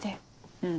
うん。